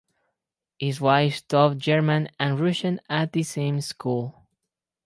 His wife taught German and Russian at the same school.